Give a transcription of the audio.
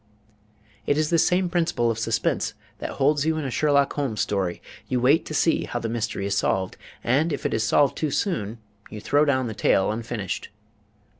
It is this same principle of suspense that holds you in a Sherlock Holmes story you wait to see how the mystery is solved, and if it is solved too soon you throw down the tale unfinished.